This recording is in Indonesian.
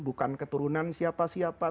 bukan keturunan siapa siapa